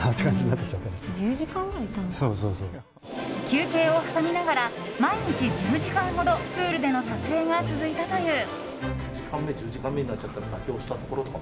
休憩を挟みながら毎日１０時間ほどプールでの撮影が続いたという。